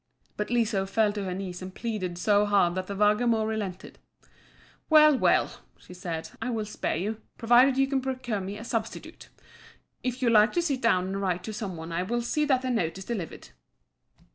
But Liso fell on her knees and pleaded so hard that the Vargamor relented, "Well, well!" she said, "I will spare you, provided you can procure me a substitute. If you like to sit down and write to some one I will see that the note is delivered."